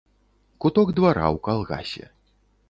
Куток двара ў калгасе.